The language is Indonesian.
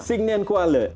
sing nian kuai le